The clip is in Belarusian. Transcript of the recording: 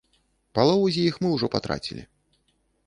Палову з іх мы ўжо патрацілі.